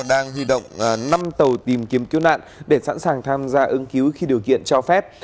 đang huy động năm tàu tìm kiếm cứu nạn để sẵn sàng tham gia ứng cứu khi điều kiện cho phép